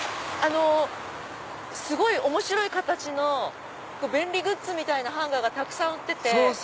すごい面白い形の便利グッズみたいなハンガーがたくさん売ってて。